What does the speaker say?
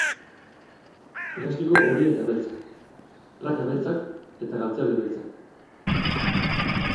Elastiko horia eta beltza, praka beltzak eta galtzerdi beltzak.